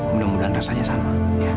mudah mudahan rasanya sama